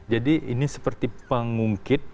jadi ini seperti pengungkit